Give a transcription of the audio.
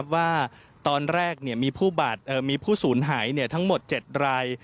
ว่าตอนแรกมีผู้สูญหายทั้งหมด๗ราย